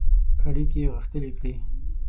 اړیکي غښتلي کړي.